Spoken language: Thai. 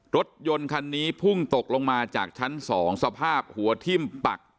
รถยนต์คันนี้พุ่งตกลงมาจากชั้น๒สภาพหัวทิ้มปัก